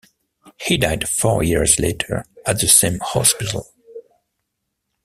He died four years later at the same hospital.